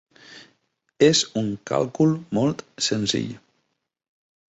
És un càlcul molt senzill.